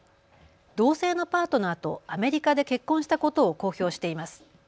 同性のパートナーとアメリカで結婚したことを公表しています。